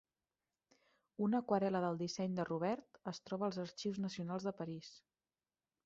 Una aquarel·la del disseny de Robert es troba als Arxius Nacionals de París.